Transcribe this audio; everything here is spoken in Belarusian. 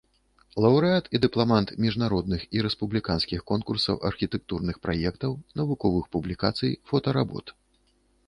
Лаўрэат і дыпламант міжнародных і рэспубліканскіх конкурсаў архітэктурных праектаў, навуковых публікацый, фотаработ.